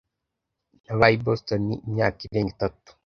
Nabaye i Boston imyaka irenga itatu